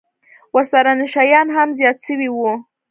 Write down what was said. ورسره نشه يان هم زيات سوي وو.